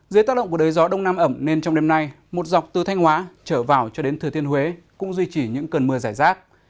dưới tác động của đới gió đông nam ẩm nên trong đêm nay một dọc từ thanh hóa trở vào cho đến thừa thiên huế cũng duy trì những cơn mưa giải rác